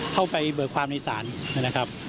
เข้าไปเบิกความในศาลนะครับ